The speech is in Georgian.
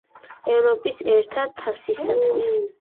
ევროპის ერთა თასისათვის.